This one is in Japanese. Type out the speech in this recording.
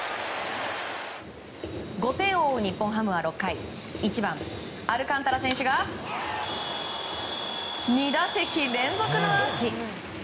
５点を追う日本ハムは６回１番、アルカンタラ選手が２打席連続のアーチ！